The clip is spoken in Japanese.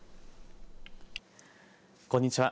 こんにちは。